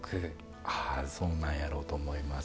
あそんなんやろうと思います。